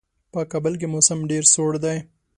په کابل کې موسم ډېر سوړ دی.